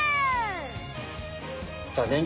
さあねん